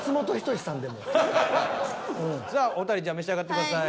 お二人じゃあ召し上がってください。